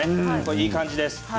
いい感じです。